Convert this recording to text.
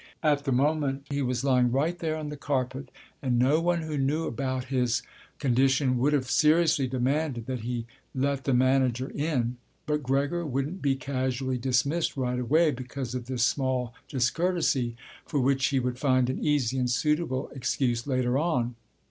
At the moment he was lying right there on the carpet, and no one who knew about his condition would've seriously demanded that he let the manager in. But Gregor wouldn't be casually dismissed right way because of this small discourtesy, for which he would find an easy and suitable excuse later on.